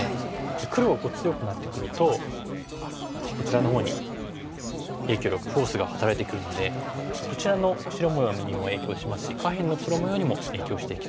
黒が強くなってくるとこちらのほうに影響力フォースが働いてくるのでこちらの白模様にも影響しますし下辺の黒模様にも影響してきそうですよね。